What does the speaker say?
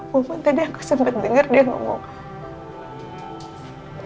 walaupun tadi aku sempet denger dia ngomong